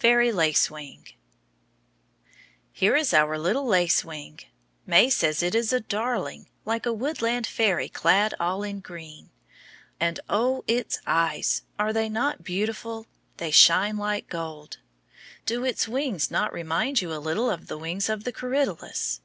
FAIRY LACEWING Here is our little Lacewing. May says it is a darling, like a woodland fairy clad all in green. And, oh, its eyes! Are they not beautiful? They shine like gold. Do its wings not remind you a little of the wings of the corydalus?